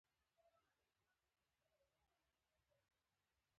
دریمې خولې ته به یې کېنوم.